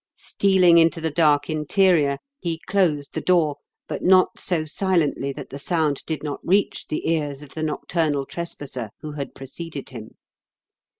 Stealing into the dark interior, he closed the door, but not so silently that the sound did not reach the ears of the nocturnal trespasser who had preceded him.